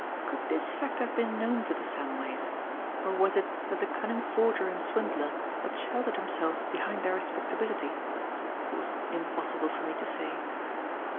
Could this fact have been known to the Samways? Or was it that the cunning forger and swindler had sheltered himself behind their respectability. It was impossible for me to say.